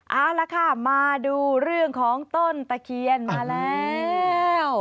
เอาละค่ะมาดูเรื่องของต้นตะเคียนมาแล้ว